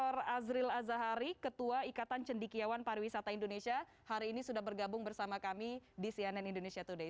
prof azril azahari ketua ikatan cendikiawan pariwisata indonesia hari ini sudah bergabung bersama kami di cnn indonesia today